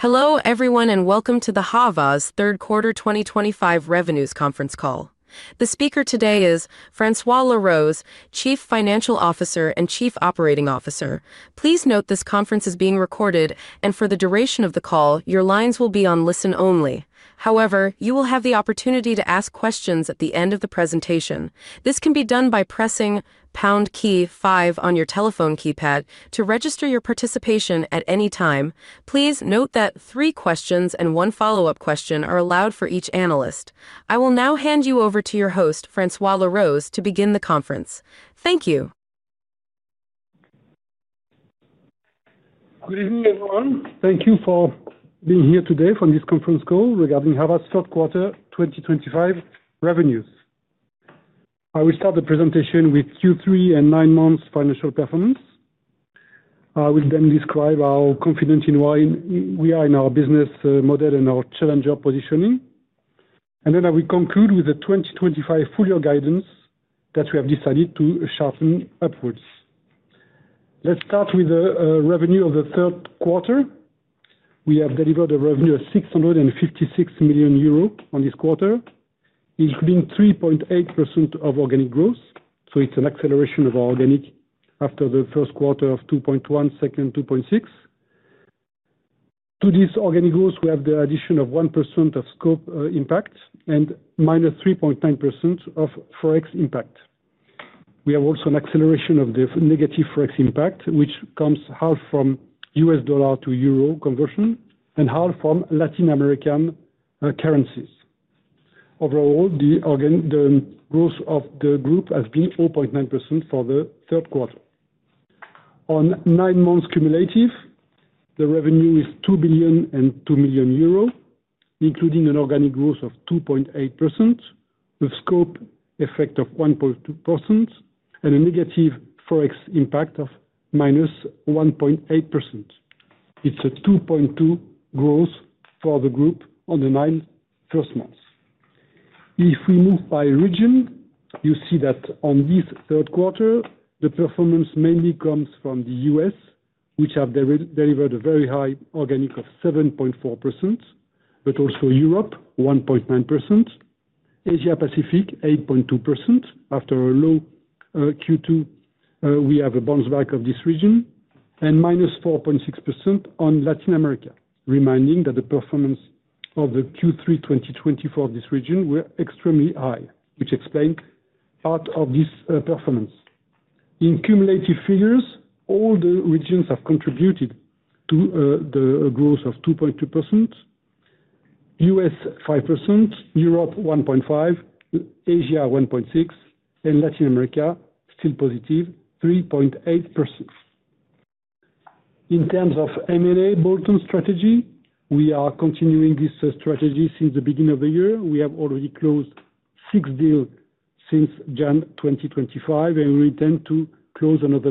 Hello, everyone, and welcome to the Havas third quarter 2025 revenues conference call. The speaker today is François Laroze, Chief Financial Officer and Chief Operating Officer. Please note this conference is being recorded, and for the duration of the call, your lines will be on "Listen Only." However, you will have the opportunity to ask questions at the end of the presentation. This can be done by pressing pound key five on your telephone keypad to register your participation at any time. Please note that three questions and one follow-up question are allowed for each analyst. I will now hand you over to your host, François Laroze, to begin the conference. Thank you. Good evening, everyone. Thank you for being here today for this conference call regarding Havas third quarter 2025 revenues. I will start the presentation with Q3 and nine months' financial performance. I will then describe how confident we are in our business model and our challenger positioning. I will conclude with the 2025 full-year guidance that we have decided to sharpen upwards. Let's start with the revenue of the third quarter. We have delivered a revenue of 656 million euros on this quarter, including 3.8% of organic growth. It's an acceleration of our organic after the first quarter of 2.1%, second 2.6%. To this organic growth, we have the addition of 1% of scope impact and -3.9% of forex impact. We have also an acceleration of the negative forex impact, which comes half from U.S. dollar to euro conversion and half from Latin American currencies. Overall, the growth of the group has been 0.9% for the third quarter. On nine months cumulative, the revenue is EUR 2.202 billion, including an organic growth of 2.8%, a scope effect of 1.2%, and a negative forex impact of -1.8%. It's a 2.2% growth for the group on the nine first months. If we move by region, you see that on this third quarter, the performance mainly comes from the U.S., which has delivered a very high organic of 7.4%, but also Europe 1.9%, Asia Pacific 8.2%. After a low Q2, we have a bounce back of this region and -4.6% on Latin America, reminding that the performance of the Q3 2024 of this region was extremely high, which explained part of this performance. In cumulative figures, all the regions have contributed to the growth of 2.2%: U.S. 5%, Europe 1.5%, Asia 1.6%, and Latin America still +3.8%. In terms of M&A bolt-on strategy, we are continuing this strategy since the beginning of the year. We have already closed six deals since January 2025, and we intend to close another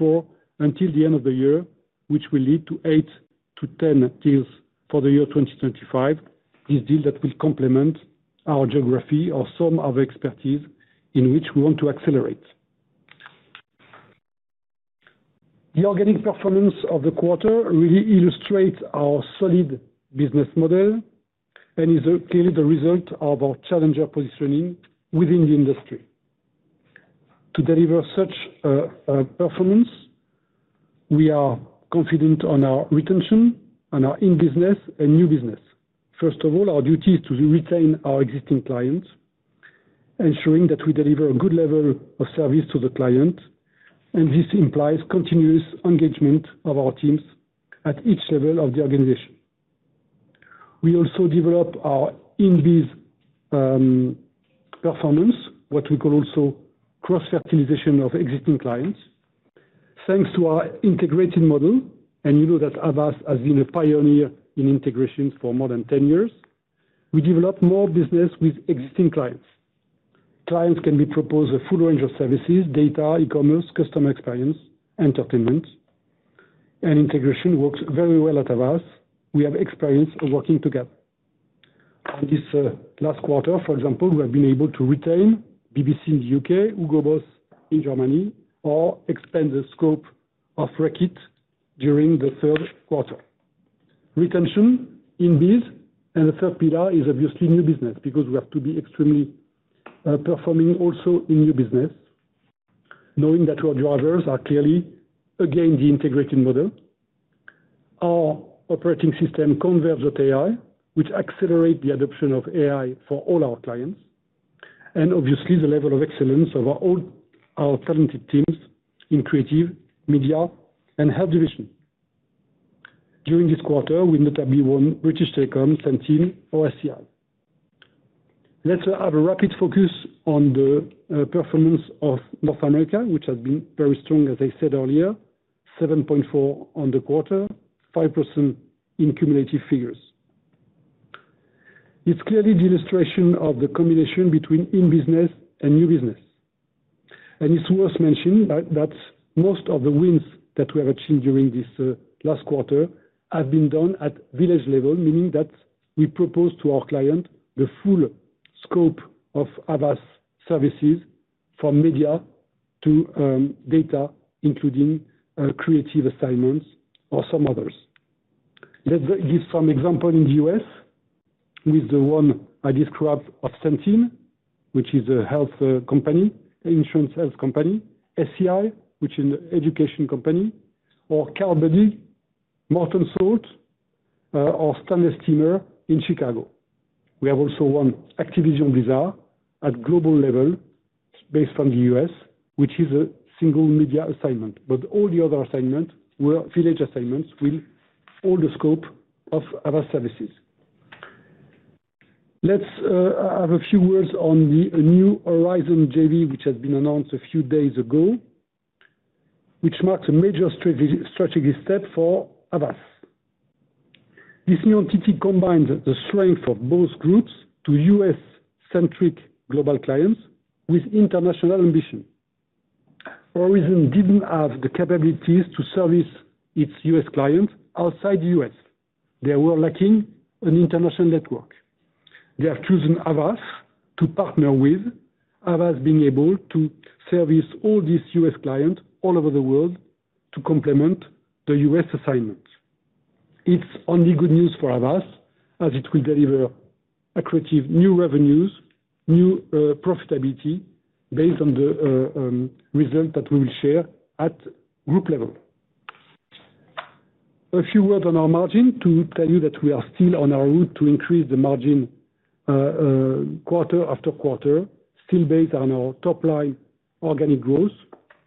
2-4 until the end of the year, which will lead to 8-10 deals for the year 2025. This deal will complement our geography, our sum of expertise in which we want to accelerate. The organic performance of the quarter really illustrates our solid business model and is clearly the result of our challenger positioning within the industry. To deliver such a performance, we are confident on our retention, on our in-business and new business. First of all, our duty is to retain our existing clients, ensuring that we deliver a good level of service to the client. And this implies continuous engagement of our teams at each level of the organization. We also develop our in-business performance, what we call also cross-fertilization of existing clients. Thanks to our integrated model, and you know that Havas has been a pioneer in integrations for more than 10 years, we develop more business with existing clients. Clients can be proposed a full range of services: data, e-commerce, customer experience, entertainment, and integration works very well at Havas. We have experience working together. In this last quarter, for example, we have been able to retain BBC in the U.K., Hugo Boss in Germany, or expand the scope of Reckitt during the third quarter. Retention in-business and the third pillar is obviously new business because we have to be extremely performing also in new business, knowing that our drivers are clearly, again, the integrated model. Our operating system Converge AI, which accelerates the adoption of AI for all our clients, and obviously the level of excellence of our talented teams in creative, media, and health division. During this quarter, we notably won British Telecom Sentinel for SCI. Let's have a rapid focus on the performance of North America, which has been very strong, as I said earlier, 7.4% on the quarter, 5% in cumulative figures. It's clearly the illustration of the combination between in-business and new business. It's worth mentioning that most of the wins that we have achieved during this last quarter have been done at village level, meaning that we propose to our client the full scope of Havas services from media to data, including creative assignments or some others. Let's give some examples in the U.S. with the one I described of Sentinel, which is a health company, an insurance health company, SCI, which is an education company, or CarBuddy, Morton Salt, or Standard Steamer in Chicago. We have also won Activision Blizzard at a global level based on the U.S., which is a single media assignment, but all the other assignments were village assignments with all the scope of Havas services. Let's have a few words on the new Horizon JV, which has been announced a few days ago, which marks a major strategic step for Havas. This new entity combines the strength of both groups to U.S.-centric global clients with international ambition. Horizon didn't have the capabilities to service its U.S. clients outside the U.S. They were lacking an international network. They have chosen Havas to partner with, Havas being able to service all these U.S. clients all over the world to complement the U.S. assignments. It's only good news for Havas as it will deliver accurate new revenues, new profitability based on the results that we will share at the group level. A few words on our margin to tell you that we are still on our route to increase the margin quarter after quarter, still based on our top-line organic growth,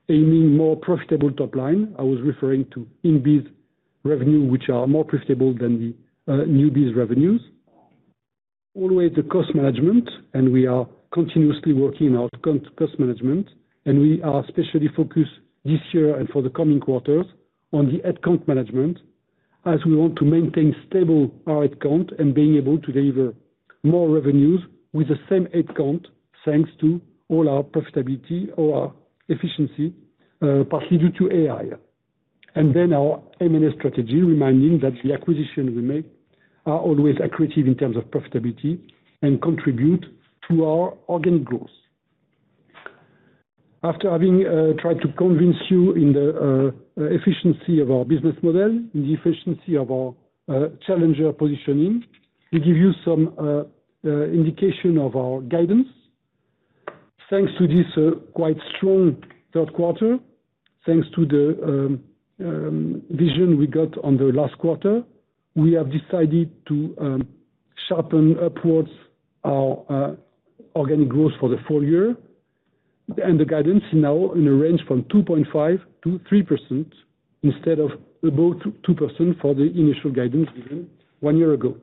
aiming more profitable top-line. I was referring to in-business revenue, which are more profitable than the new business revenues. Always the cost management, and we are continuously working on our cost management, and we are especially focused this year and for the coming quarters on the headcount management as we want to maintain stable our headcount and being able to deliver more revenues with the same headcount thanks to all our profitability or our efficiency, partly due to AI. Our M&A strategy, reminding that the acquisitions we make are always accurate in terms of profitability and contribute to our organic growth. After having tried to convince you in the efficiency of our business model, in the efficiency of our challenger positioning, we give you some indication of our guidance. Thanks to this quite strong third quarter, thanks to the vision we got on the last quarter, we have decided to sharpen upwards our organic growth for the full year and the guidance is now in a range from 2.5%-3% instead of above 2% for the initial guidance given one year ago.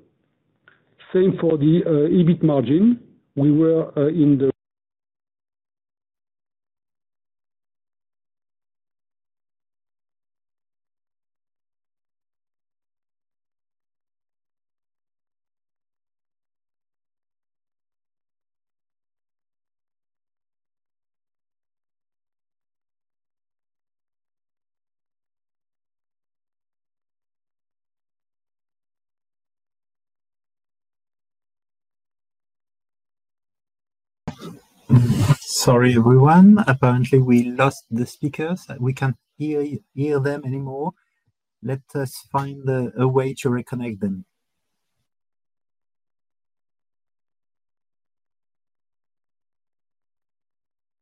Same for the EBIT margin, we were in the. Sorry, everyone. Apparently, we lost the speakers. We can't hear them anymore. Let us find a way to reconnect them.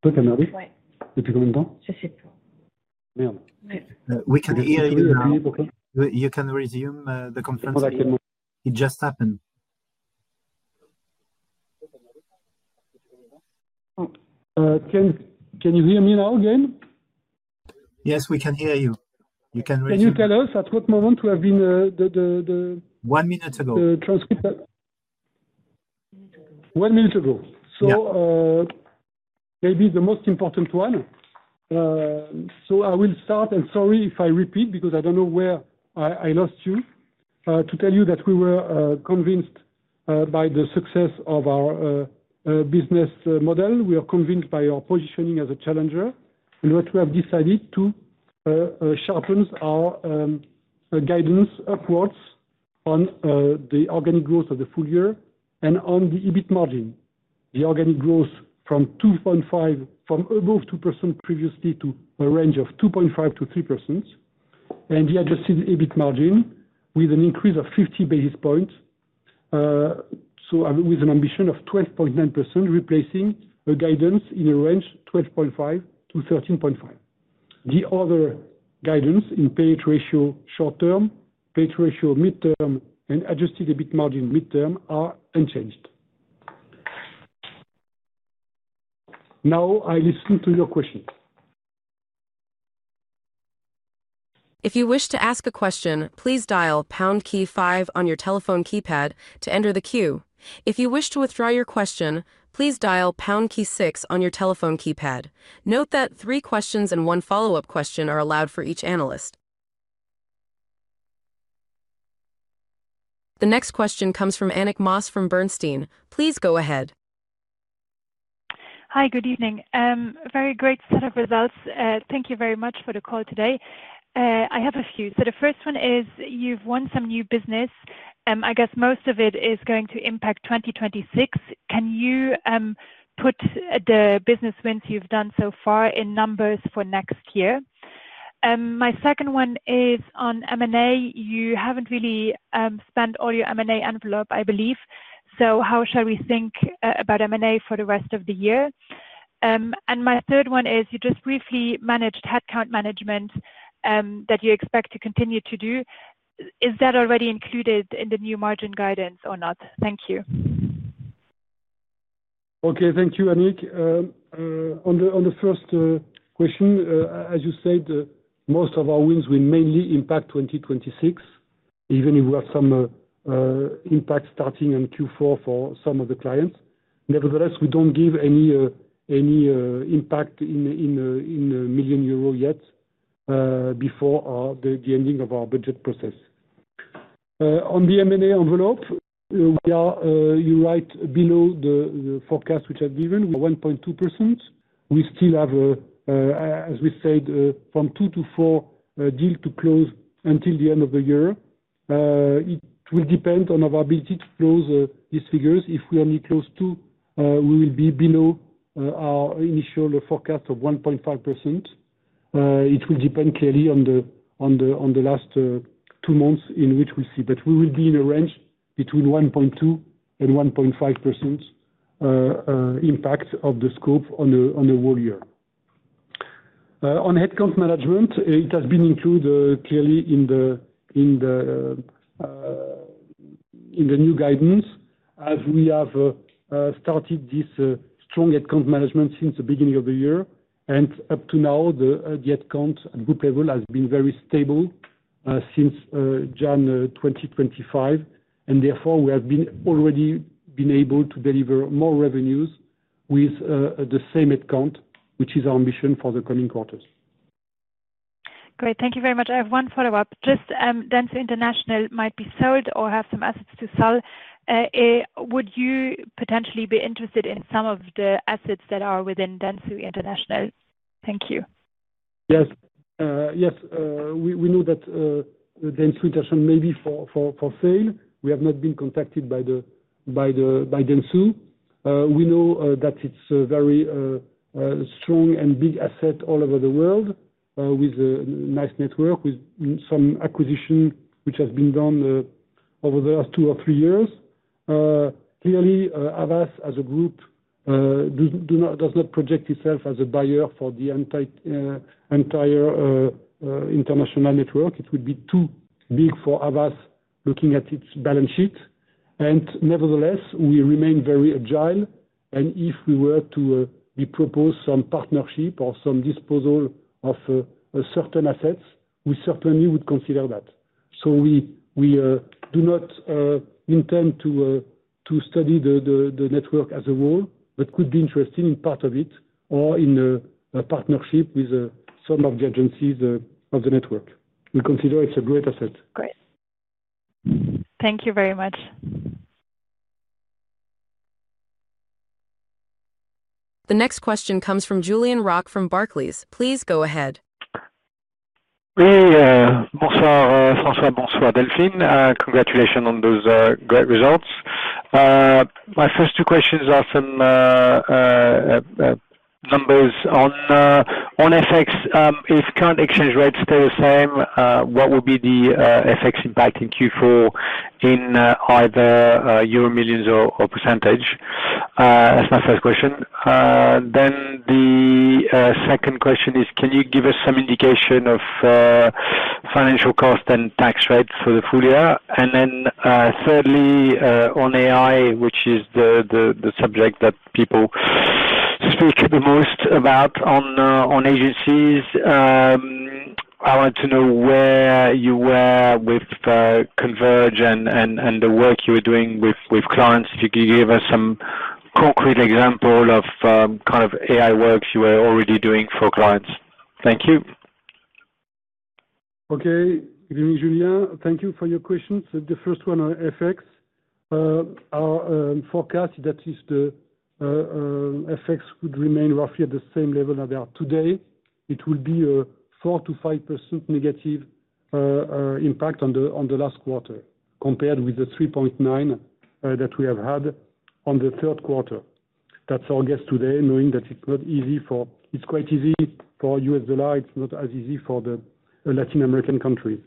Ok, merci. Depuis combien de temps? Je ne sais pas. Merde. We can hear you now. You can resume the conference. It just happened. Can you hear me now again? Yes, we can hear you. You can resume. Can you tell us at what moment we have been the transcript. One minute ago. One minute ago. Yeah. Maybe the most important one. I will start, and sorry if I repeat because I don't know where I lost you, to tell you that we were convinced by the success of our business model. We are convinced by our positioning as a challenger, and what we have decided to sharpen our guidance upwards on the organic growth of the full year and on the EBIT margin. The organic growth from 2.5%, from above 2% previously to a range of 2.5%-3%, and the adjusted EBIT margin with an increase of 50 basis points. With an ambition of 12.9%, replacing a guidance in a range of 12.5%-13.5%. The other guidance in pay-to-ratio short-term, pay-to-ratio mid-term, and adjusted EBIT margin mid-term are unchanged. Now, I listen to your questions. If you wish to ask a question, please dial pound key five on your telephone keypad to enter the queue. If you wish to withdraw your question, please dial pound key six on your telephone keypad. Note that three questions and one follow-up question are allowed for each analyst. The next question comes from Annick Maas from Bernstein. Please go ahead. Hi, good evening. Very great set of results. Thank you very much for the call today. I have a few. The first one is you've won some new business. I guess most of it is going to impact 2026. Can you put the business wins you've done so far in numbers for next year? My second one is on M&A. You haven't really spent all your M&A envelope, I believe. How shall we think about M&A for the rest of the year? My third one is you just briefly mentioned headcount management that you expect to continue to do. Is that already included in the new margin guidance or not? Thank you. Okay, thank you, Annick. On the first question, as you said, most of our wins will mainly impact 2026, even if we have some impact starting in Q4 for some of the clients. Nevertheless, we don't give any impact in million euros yet before the ending of our budget process. On the M&A envelope, you're right, below the forecast which I've given, 1.2%. We still have, as we said, from two to four deals to close until the end of the year. It will depend on our ability to close these figures. If we only close two, we will be below our initial forecast of 1.5%. It will depend clearly on the last two months in which we'll see, but we will be in a range between 1.2% and 1.5% impact of the scope on the whole year. On headcount management, it has been included clearly in the new guidance as we have started this strong headcount management since the beginning of the year. Up to now, the headcount at group level has been very stable since January 2025, and therefore, we have already been able to deliver more revenues with the same headcount, which is our ambition for the coming quarters. Great, thank you very much. I have one follow-up. Just Dentsu International might be sold or have some assets to sell. Would you potentially be interested in some of the assets that are within Dentsu International? Thank you. Yes, yes. We know that Dentsu International may be for sale. We have not been contacted by Dentsu. We know that it's a very strong and big asset all over the world with a nice network, with some acquisition which has been done over the last two or three years. Clearly, Havas as a group does not project itself as a buyer for the entire international network. It would be too big for Havas looking at its balance sheet. Nevertheless, we remain very agile. If we were to be proposed some partnership or some disposal of certain assets, we certainly would consider that. We do not intend to study the network as a whole, but could be interested in part of it or in a partnership with some of the agencies of the network. We consider it a great asset. Great. Thank you very much. The next question comes from Julien Roques from Barclays. Please go ahead. Bonsoir, François, bonsoir, Delphine. Congratulations on those great results. My first two questions are some numbers on FX. If current exchange rates stay the same, what will be the FX impact in Q4 in either euro, millions, or percentage? That's my first question. The second question is, can you give us some indication of financial cost and tax rate for the full year? Thirdly, on AI, which is the subject that people speak the most about on agencies, I wanted to know where you were with Converge and the work you were doing with clients. If you could give us some concrete examples of kind of AI-related work you were already doing for clients. Thank you. Okay. Julien, thank you for your questions. The first one on FX, our forecast is that the FX would remain roughly at the same level as they are today. It will be a 4%-5% negative impact on the last quarter compared with the 3.9% that we have had on the third quarter. That's our guess today, knowing that it's not easy for, it's quite easy for U.S. dollar. It's not as easy for the Latin American countries.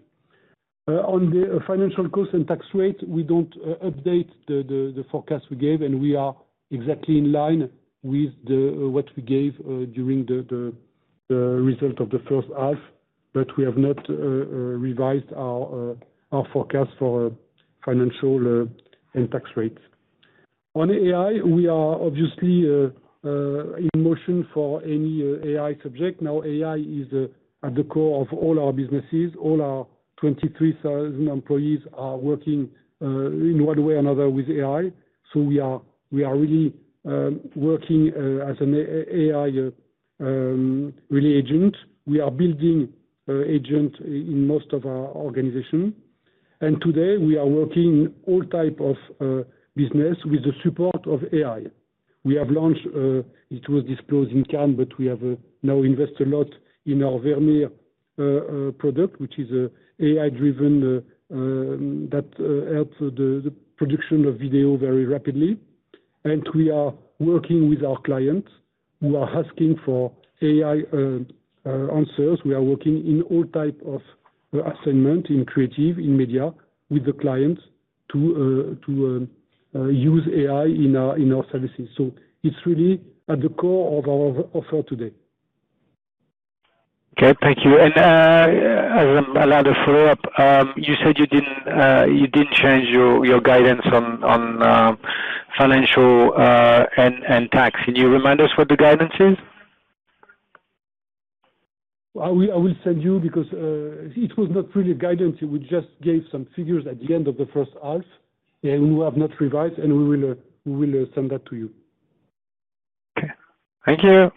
On the financial cost and tax rate, we don't update the forecast we gave, and we are exactly in line with what we gave during the result of the first half, but we have not revised our forecast for financial and tax rates. On AI, we are obviously in motion for any AI subject. Now, AI is at the core of all our businesses. All our 23,000 employees are working in one way or another with AI. We are really working as an AI, really, agent. We are building agents in most of our organizations. Today, we are working in all types of business with the support of AI. We have launched, it was disclosed in Cannes, but we have now invested a lot in our Vermeer product, which is AI-driven that helps the production of video very rapidly. We are working with our clients who are asking for AI answers. We are working in all types of assignments in creative, in media with the clients to use AI in our services. It is really at the core of our offer today. Okay, thank you. As another follow-up, you said you didn't change your guidance on financial and tax. Can you remind us what the guidance is? I will send you because it was not really a guidance. We just gave some figures at the end of the first half, and we have not revised, and we will send that to you. Okay, thank you.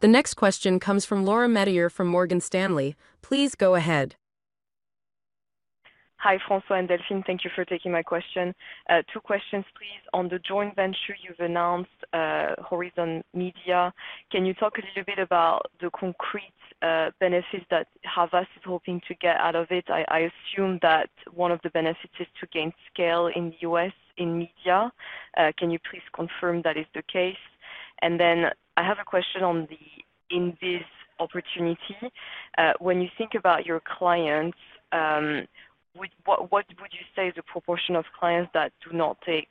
The next question comes from laura metayer from Morgan Stanley. Please go ahead. Hi, François and Delphine. Thank you for taking my question. Two questions, please. On the joint venture you've announced, Horizon Media, can you talk a little bit about the concrete benefits that Havas is hoping to get out of it? I assume that one of the benefits is to gain scale in the U.S. in media. Can you please confirm that is the case? I have a question on the in-business opportunity. When you think about your clients, what would you say is the proportion of clients that do not take,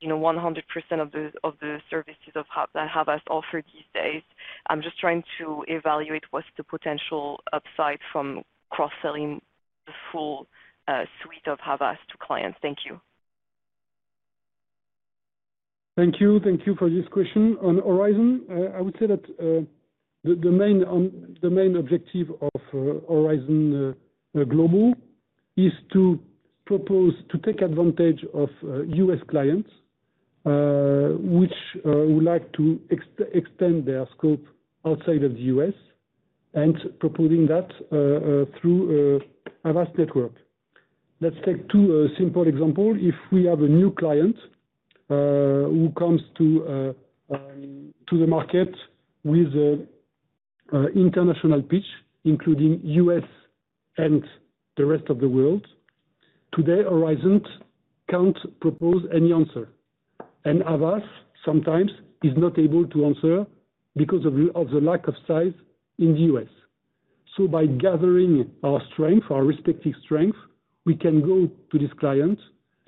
you know, 100% of the services that Havas offers these days? I'm just trying to evaluate what's the potential upside from cross-selling the full suite of Havas to clients. Thank you. Thank you. Thank you for this question. On Horizon, I would say that the main objective of Horizon Global is to propose to take advantage of U.S. clients which would like to extend their scope outside of the U.S. and proposing that through Havas network. Let's take two simple examples. If we have a new client who comes to the market with an international pitch, including U.S. and the rest of the world, today, Horizon can't propose any answer. Havas sometimes is not able to answer because of the lack of size in the U.S. By gathering our strength, our respective strength, we can go to this client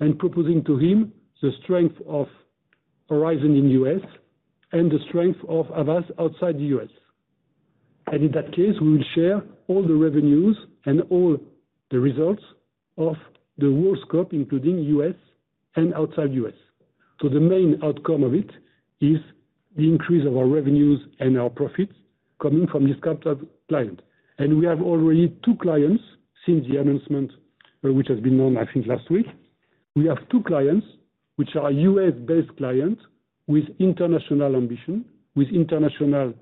and proposing to him the strength of Horizon in the U.S. and the strength of Havas outside the U.S. In that case, we will share all the revenues and all the results of the whole scope, including U.S. and outside the U.S. The main outcome of it is the increase of our revenues and our profits coming from this kind of client. We have already two clients since the announcement, which has been done, I think, last week. We have two clients which are U.S.-based clients with international ambition, with international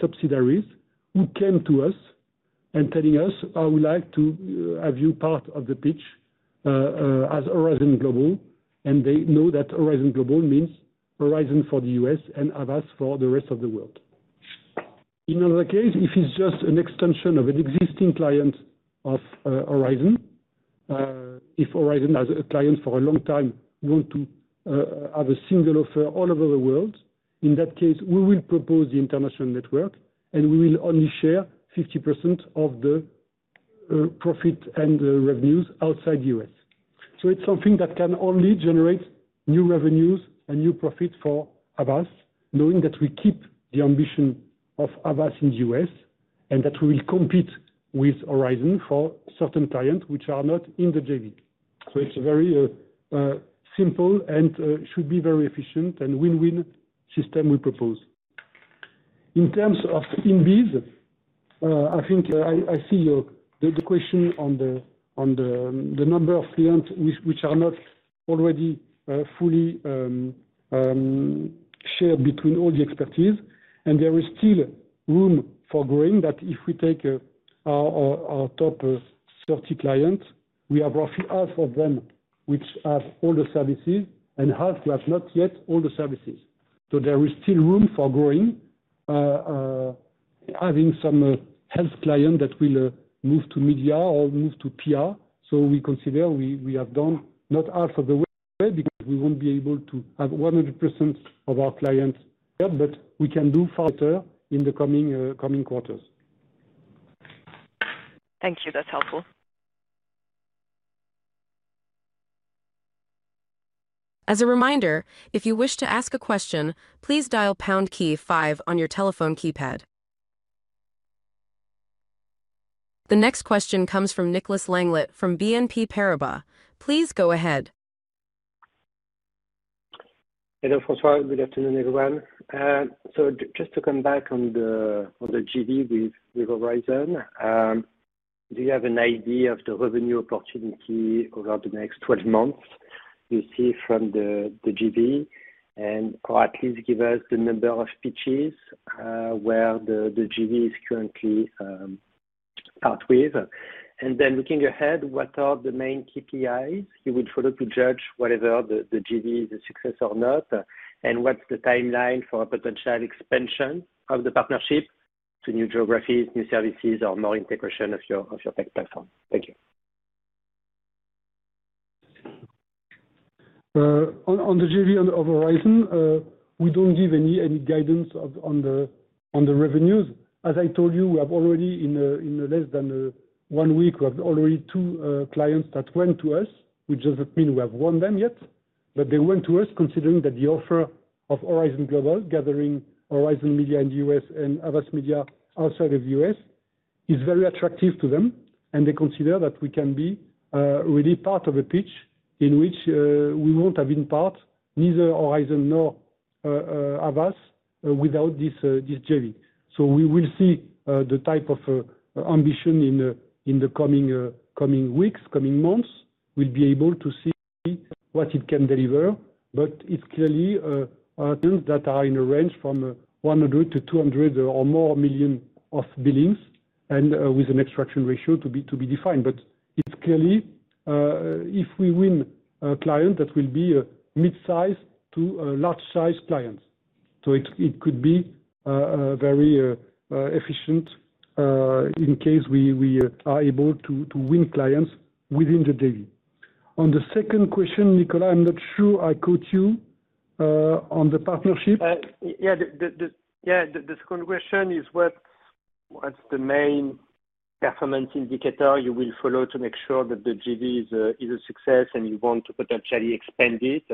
subsidiaries who came to us and telling us, "I would like to have you part of the pitch as Horizon Global." They know that Horizon Global means Horizon for the U.S. and Havas for the rest of the world. In another case, if it's just an extension of an existing client of Horizon, if Horizon has a client for a long time, we want to have a single offer all over the world. In that case, we will propose the international network, and we will only share 50% of the profit and revenues outside the U.S. It's something that can only generate new revenues and new profits for Havas, knowing that we keep the ambition of Havas in the U.S. and that we will compete with Horizon for certain clients which are not in the JV. It's a very simple and should be very efficient and win-win system we propose. In terms of in-business, I think I see the question on the number of clients which are not already fully shared between all the expertise. There is still room for growing that if we take our top 30 clients, we have roughly half of them which have all the services and half who have not yet all the services. There is still room for growing, having some health clients that will move to media or move to PR. We consider we have done not half of the way because we won't be able to have 100% of our clients, but we can do far better in the coming quarters. Thank you. That's helpful. As a reminder, if you wish to ask a question, please dial the pound key five on your telephone keypad. The next question comes from Nicolas Langley from BNP Paribas. Please go ahead. Hello, François. Good afternoon, everyone. Just to come back on the JV with Horizon, do you have an idea of the revenue opportunity over the next 12 months? Do you see from the JV, or at least give us the number of pitches where the JV is currently part with? Looking ahead, what are the main KPIs you would follow to judge whether the JV is a success or not? What's the timeline for a potential expansion of the partnership to new geographies, new services, or more integration of your tech platform? Thank you. On the JV of Horizon, we don't give any guidance on the revenues. As I told you, we have already, in less than one week, two clients that went to us, which doesn't mean we have won them yet, but they went to us considering that the offer of Horizon Global, gathering Horizon Media in the U.S. and Havas Media outside of the U.S., is very attractive to them. They consider that we can be really part of a pitch in which we wouldn't have been part, neither Horizon nor Havas, without this JV. We will see the type of ambition in the coming weeks, coming months. We'll be able to see what it can deliver, but it's clearly clients that are in a range from $100 million-$200 million or more of billings and with an extraction ratio to be defined. If we win a client, that will be a mid-size to a large-size client. It could be very efficient in case we are able to win clients within the JV. On the second question, Nicolas, I'm not sure I caught you on the partnership. Yeah, the second question is what's the main performance indicator you will follow to make sure that the JV is a success and you want to potentially expand it?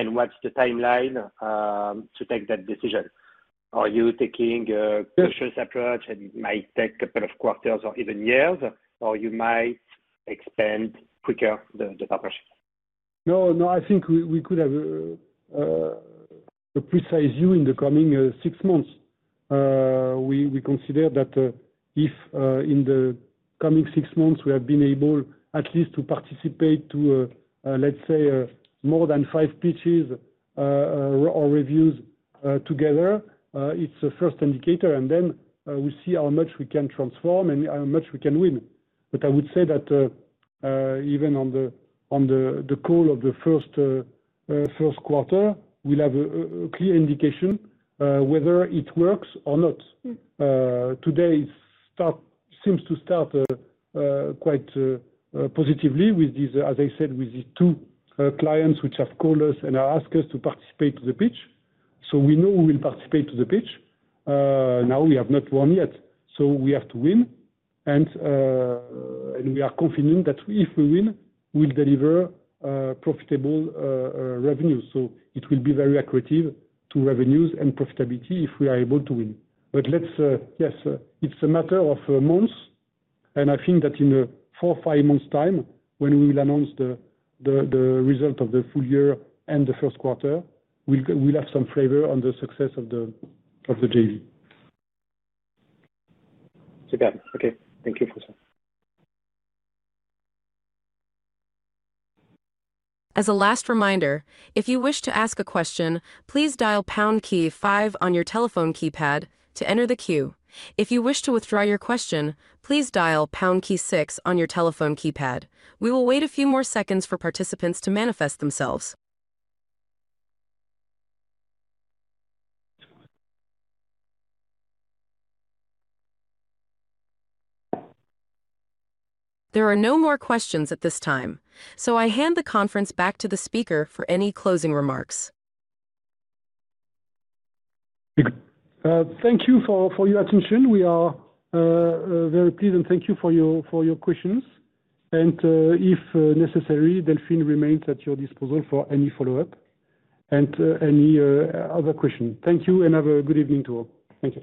What's the timeline to take that decision? Are you taking a cautious approach and it might take a couple of quarters or even years, or you might expand quicker the partnership? No, no, I think we could have a precise view in the coming six months. We consider that if in the coming six months we have been able at least to participate to, let's say, more than five pitches or reviews together, it's a first indicator. Then we see how much we can transform and how much we can win. I would say that even on the call of the first quarter, we'll have a clear indication whether it works or not. Today, it seems to start quite positively with this, as I said, with these two clients which have called us and asked us to participate to the pitch. We know we will participate to the pitch. We have not won yet. We have to win. We are confident that if we win, we'll deliver profitable revenues. It will be very accurate to revenues and profitability if we are able to win. Yes, it's a matter of months. I think that in four or five months' time, when we will announce the result of the full year and the first quarter, we'll have some flavor on the success of the JV. Okay, thank you, François. As a last reminder, if you wish to ask a question, please dial pound key five on your telephone keypad to enter the queue. If you wish to withdraw your question, please dial pound key six on your telephone keypad. We will wait a few more seconds for participants to manifest themselves. There are no more questions at this time. I hand the conference back to the speaker for any closing remarks. Thank you for your attention. We are very pleased and thank you for your questions. If necessary, Delphine remains at your disposal for any follow-up and any other questions. Thank you and have a good evening to all. Thank you.